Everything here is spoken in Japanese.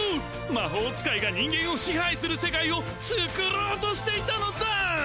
魔法使いが人間を支配する世界を作ろうとしていたのだ！